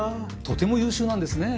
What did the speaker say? とても優秀なんですね。